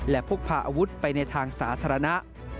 และพกพาอาวุธไปในทางสาธารณะ